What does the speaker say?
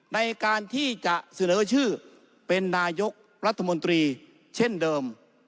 ในการที่จะเสนอชื่อเป็นนายกรัฐมนตรีเช่นเดิม